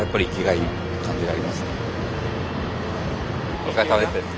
お疲れさまです。